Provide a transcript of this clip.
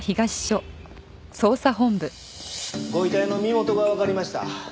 ご遺体の身元がわかりました。